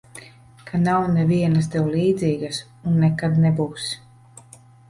Ka nav nevienas tev līdzīgas un nekad nebūs.